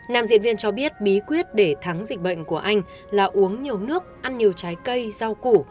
nam diễn viên cho biết bí quyết để thắng dịch bệnh của anh là uống nhiều nước ăn nhiều trái cây rau củ